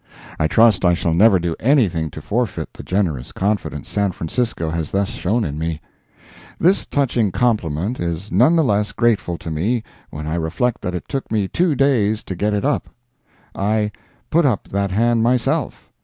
I trust I shall never do anything to forfeit the generous confidence San Francisco has thus shown in me. This touching compliment is none the less grateful to me when I reflect that it took me two days to get it up. I "put up" that hand myself.